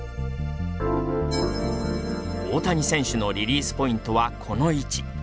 大谷選手のリリースポイントはこの位置。